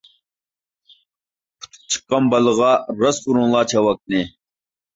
ئۇتۇپ چىققان بالىغا، راست ئۇرۇڭلار چاۋاكنى.